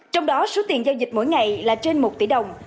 trong đó số tiền giao dịch mỗi ngày là trên một tỷ đồng